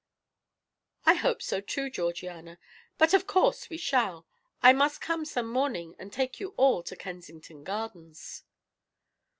"I hope so, too, Georgiana. But of course we shall. I must come some morning and take you all to Kensington Gardens."